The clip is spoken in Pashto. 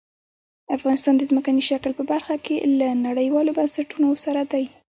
افغانستان د ځمکني شکل په برخه کې له نړیوالو بنسټونو سره دی.